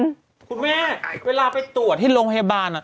คุณแม่เวลาไปตรวจที่โรงพยาบาล